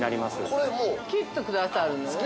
◆これも◆切ってくださるのね。